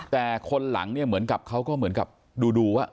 แต่คนหลังเนี่ยเหมือนกับเขาก็เหมือนกับดูว่า